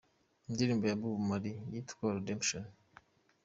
ndirimbo ya "Bob Marley" yitwa "Redemption".